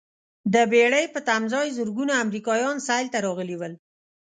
د بېړۍ په تمځاې زرګونه امریکایان سیل ته راغلي ول.